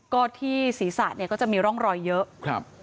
ก็ที่ศีรษะเนี่ยก็จะมีร่องรอยเยอะครับ